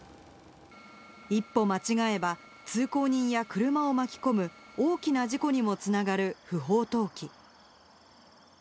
一歩間違えば通行人や車を巻き込む大きな事故にもつながる不法投棄。